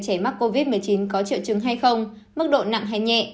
trẻ mắc covid một mươi chín có triệu chứng hay không mức độ nặng hay nhẹ